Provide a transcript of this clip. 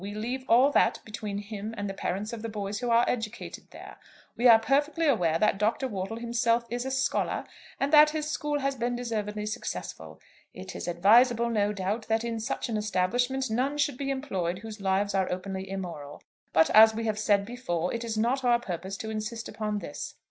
We leave all that between him and the parents of the boys who are educated there. We are perfectly aware that Dr. Wortle himself is a scholar, and that his school has been deservedly successful. It is advisable, no doubt, that in such an establishment none should be employed whose lives are openly immoral; but as we have said before, it is not our purpose to insist upon this.